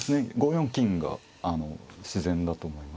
５四金が自然だと思いますね。